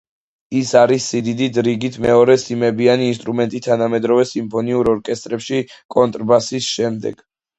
ის არის სიდიდით რიგით მეორე სიმებიანი ინსტრუმენტი თანამედროვე სიმფონიურ ორკესტრებში კონტრაბასის შემდეგ.